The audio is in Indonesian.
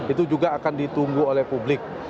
itu juga akan ditunggu oleh publik